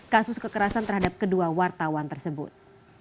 kasus kekerasan terhadap kedua wartawan tersebut